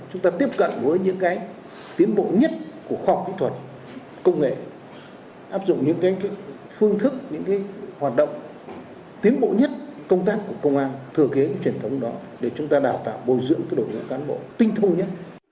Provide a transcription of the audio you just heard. chúng ta tiếp cận với những cái tiến bộ nhất của khoa học kỹ thuật công nghệ áp dụng những cái phương thức những cái hoạt động tiến bộ nhất công tác của công an thừa kế truyền thống đó để chúng ta đào tạo bồi dưỡng cái đội ngũ cán bộ tinh thông nhất